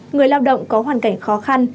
người lao động có hoàn cảnh khó khăn